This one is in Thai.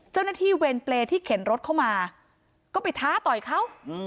เจ้าหน้าที่เวรเปรย์ที่เข็นรถเข้ามาก็ไปท้าต่อยเขา